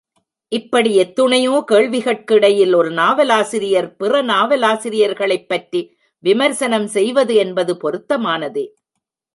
இப்படி எத்துணையோ கேள்விகட்கு இடையில் ஒரு நாவலாசிரியர் பிற நாவலாசிரியர்களைப் பற்றி விமரிசனம் செய்வது என்பது பொருத்தமானதே.